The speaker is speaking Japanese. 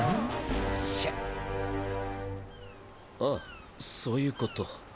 あそういうこと。